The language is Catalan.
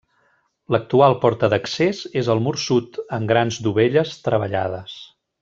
L'actual porta d'accés és al mur sud, amb grans dovelles treballades.